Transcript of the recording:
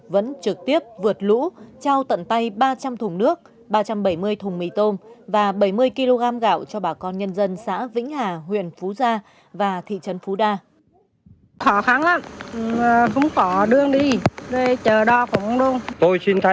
vẫn trực tiếp vượt lũ trao tận tay ba trăm linh thùng nước ba trăm bảy mươi thùng mì tôm và bảy mươi kg gạo cho bà con nhân dân xã vĩnh hà huyện phú gia và thị trấn phú đa